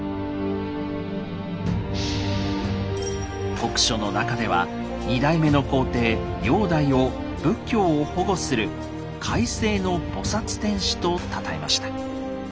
国書の中では２代目の皇帝煬帝を仏教を保護する「海西の菩天子」とたたえました。